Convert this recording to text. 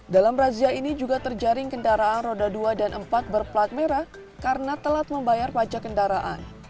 dalam razia ini juga terjaring kendaraan roda dua dan empat berplat merah karena telat membayar pajak kendaraan